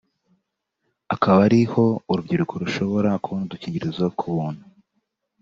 akaba ari ho urubyiruko rushobora kubona udukingirizo ku buntu